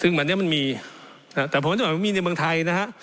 ซึ่งวันนี้มันมีแต่ผมจะบอกว่ามีในเมืองไทยนะฮะ